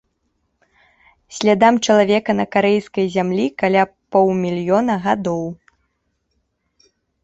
Слядам чалавека на карэйскай зямлі каля паўмільёна гадоў.